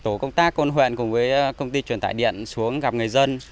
tổ công tác con huyện cùng với công ty truyền tải điện xuống gặp người dân